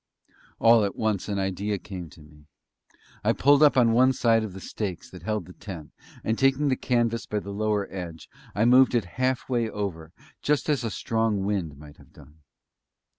All at once an idea came to me. I pulled up on one side the stakes that held the tent, and taking the canvas by the lower edge, I turned it half way over, just as a strong wind might have done.